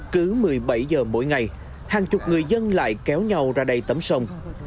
cứ một mươi bảy giờ mỗi ngày hàng chục người dân lại kéo nhau ra đây tắm sông